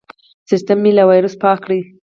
سیستم مې له وایرس پاک کړ.